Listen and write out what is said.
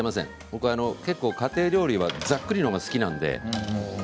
僕は結構、家庭料理はざっくりの方が好きなので。